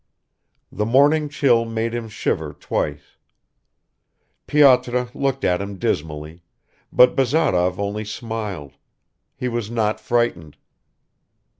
The morning chill made him shiver twice ... Pyotr looked at him dismally, but Bazarov only smiled; he was not frightened.